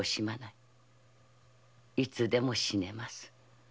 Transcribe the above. いつでも死ねます。